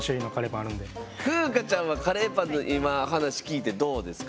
風佳ちゃんはカレーパンの今話聞いてどうですか？